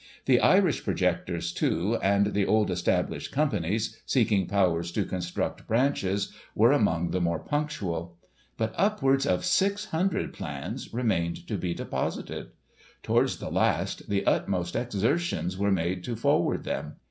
The Irish projectors, too, and the old established companies, seeking powers to construct branches, were among the more punctual. But upwards of 600 plans remained to be deposited. Towards the last, the utmost exer tions were made to forward them.